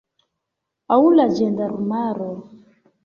Aŭ la ĝendarmaro.